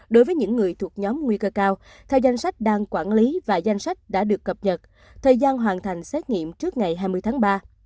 đối với những người thuộc nhóm nguy cơ cao theo danh sách đang quản lý và danh sách đã được cập nhật thời gian hoàn thành xét nghiệm trước ngày hai mươi tháng ba